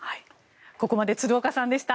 ここまで鶴岡さんでした。